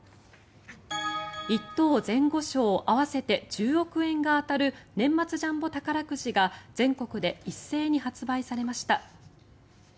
１等・前後賞合わせて１０億円が当たる年末ジャンボ宝くじが全国で一斉に発売されました。